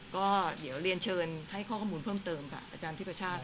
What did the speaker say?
เรียนเชิญให้ข้อคำนวณเพิ่มเติมอาจารย์ทิพัภาชาติ